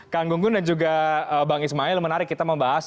kang gunggun dan juga bang ismail menarik kita membahas